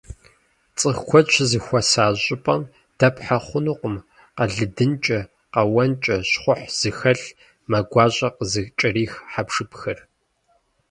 ЦӀыху куэд щызэхуэса щӀыпӀэм дэпхьэ хъунукъым къэлыдынкӀэ, къэуэнкӀэ, щхъухь зыхэлъ, мэ гуащӀэ къызыкӀэрих хьэпшыпхэр.